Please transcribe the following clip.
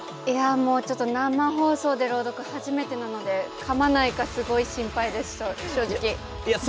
ちょっと生放送で朗読初めてなのでかまないかすごい心配です、正直。